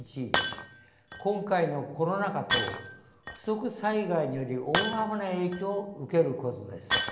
今回のコロナ禍等不測災害により大幅な影響を受けることです。